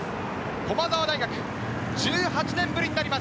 駒澤大学、１８年ぶりになります。